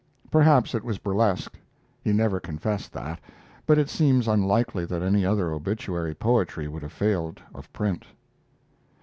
Perhaps it was burlesque; he never confessed that, but it seems unlikely that any other obituary poetry would have failed of print.